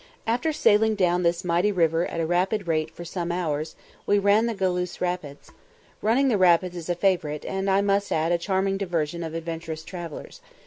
After sailing down this mighty river at a rapid rate for some hours, we ran the Galouse Rapids. Running the rapids is a favourite, and, I must add, a charming diversion of adventurous travellers.